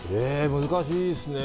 難しいですね。